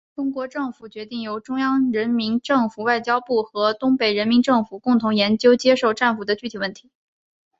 中国政府决定由中央人民政府外交部和东北人民政府共同研究接受战俘的具体问题。